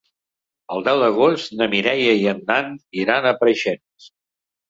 El deu d'agost na Mireia i en Dan iran a Preixens.